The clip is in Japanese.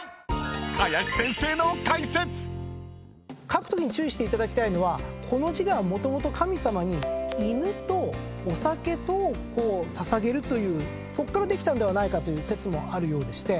［林先生の解説！］書くときに注意してほしいのはこの字がもともと神様に犬とお酒とを捧げるというそこからできたんではないかという説もあるようでして。